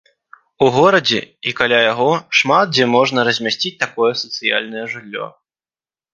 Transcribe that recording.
У горадзе і каля яго шмат дзе можна размясціць такое сацыяльнае жыллё.